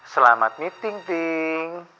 selamat meeting ting